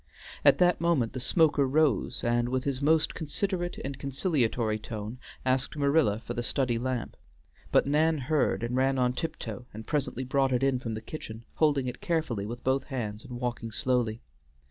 At that moment the smoker rose, and with his most considerate and conciliatory tone asked Marilla for the study lamp, but Nan heard, and ran on tiptoe and presently brought it in from the kitchen, holding it carefully with both hands and walking slowly.